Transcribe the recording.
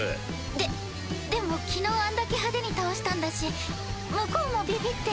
ででも昨日あんだけ派手に倒したんだし向こうもビビって。